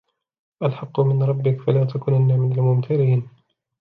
الحق من ربك فلا تكونن من الممترين